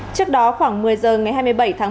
trước đó khoảng một mươi giờ ngày hai mươi bảy tháng một